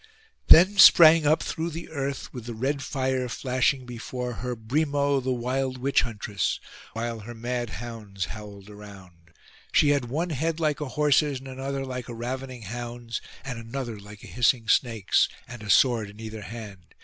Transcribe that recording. Then sprang up through the earth, with the red fire flashing before her, Brimo the wild witch huntress, while her mad hounds howled around. She had one head like a horse's, and another like a ravening hound's, and another like a hissing snake's, and a sword in either hand.